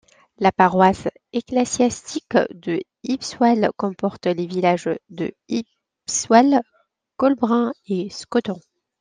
La paroisse ecclésiastique de Hipswell comporte les villages de Hipswell, Colburn et Scotton.